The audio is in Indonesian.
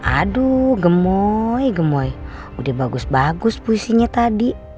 aduh gemoy gemoy udah bagus bagus puisinya tadi